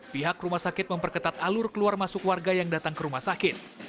pihak rumah sakit memperketat alur keluar masuk warga yang datang ke rumah sakit